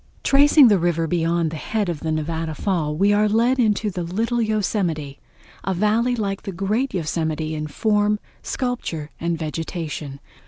Tracing the river beyond the head of the Nevada Fall we are lead into the Little Yosemite, a valley like the great Yosemite in form, sculpture and vegetation.